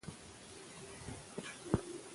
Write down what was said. چاپېريال پاک ساتل ماشوم خوشاله کوي.